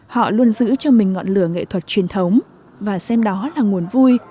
họ luôn giữ cho mình ngọn lửa nghệ thuật truyền thống và xem đó là nguồn vui